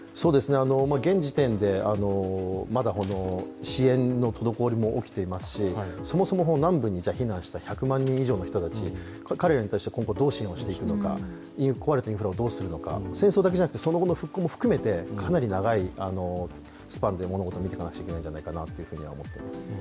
現時点でまだ支援の滞りも起きていますし、そもそも南部に避難した１００万人以上の人たち、彼らに対して今後どう支援をしていくのか壊れたインフラをどうするのか戦争だけじゃ亡くて、その後の復興も含めてかなり長いスパンでものごとを見ていかなくてはいけないと思っています。